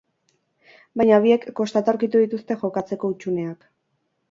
Baina biek kostata aurkitu dituzte jokatzeko hutsuneak.